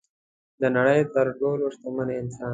د نړۍ تر ټولو شتمن انسان